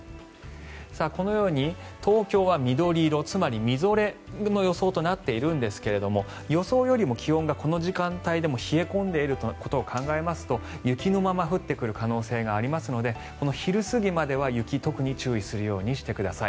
このように東京は緑色つまり、みぞれの予想となっているんですが予想よりも気温がこの時間帯でも冷え込んでいることを考えると雪のまま降ってくる可能性がありますので昼過ぎまでは雪、特に注意するようにしてください。